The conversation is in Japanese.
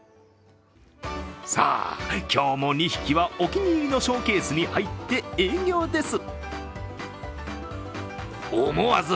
さあ、今日も２匹はお気に入りのショーケースに入って営業です。